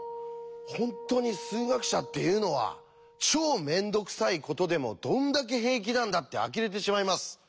本当に数学者っていうのは超面倒くさいことでもどんだけ平気なんだってあきれてしまいます。